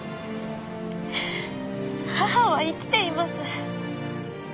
母は生きています。